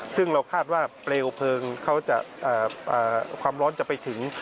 ซึ่งเราคาดว่าเปลวเพลิงเขาจะความร้อนจะไปถึง